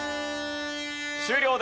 終了！